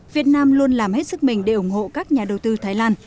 việt nam luôn làm hết sức mình để ủng hộ các nhà đầu tư thái lan